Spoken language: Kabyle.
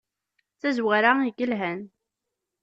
D tazwara i yelhan!